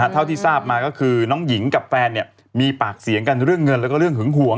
เท่าที่ทราบมาก็คือน้องหญิงกับแฟนมีปากเสียงกันเรื่องเงินแล้วก็เรื่องหึงหวง